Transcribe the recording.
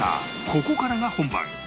ここからが本番